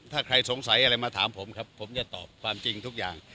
ถ้าใครสงสัยอะไรมาถามผมครับผมจะตอบความจริงทุกอย่าง